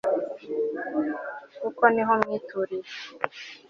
kuko niho mwituriye